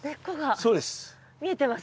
そうです。